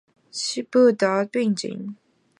不得升级。